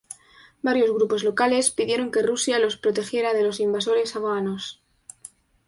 Varios grupos locales pidieron que Rusia los protegiera de los invasores afganos.